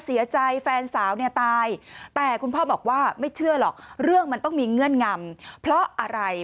เสียใจแฟนสาวเนี่ยตายแต่คุณพ่อบอกว่าไม่เชื่อหรอกเรื่องมันต้องมีเงื่อนงำเพราะอะไร